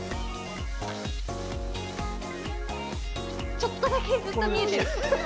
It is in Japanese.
ちょっとだけずっと見えてる。